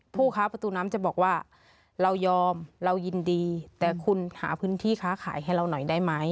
ผู้ค้าประตูน้ำจะบอกว่าเรายอมเรายินดีแต่คุณหาพื้นที่ค้าขายให้เราหน่อยได้ไหม